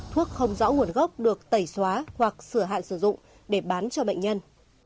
thuốc không rõ nguồn gốc được tẩy xóa hoặc sửa hạn sử dụng để bán cho bệnh nhân